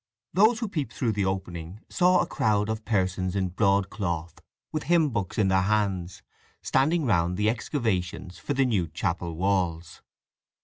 Those who peeped through the opening saw a crowd of persons in broadcloth, with hymn books in their hands, standing round the excavations for the new chapel walls.